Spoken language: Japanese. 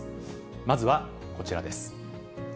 まずはこちらです。